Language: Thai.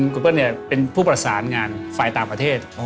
คุณเป็นผู้ประสานหลังจากฝ่ายต่างประเทศ